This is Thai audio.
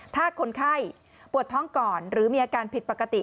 ถ้าคนไข้ปวดท้องก่อนหรือมีอาการผิดปกติ